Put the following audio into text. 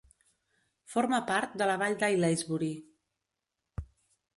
Forma part de la Vall d'Aylesbury.